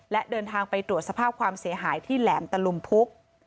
และเดินทางไปตรวจสภาพความเสียหายที่แหลมตะลุมพุก